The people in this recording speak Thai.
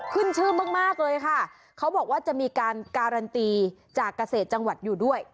ขึ้นชื่อมากมากเลยค่ะเขาบอกว่าจะมีการการันตีจากเกษตรจังหวัดอยู่ด้วย